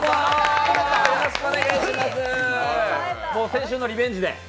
先週のリベンジで。